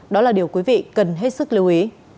đó là điều quý vị cần hết sức lưu ý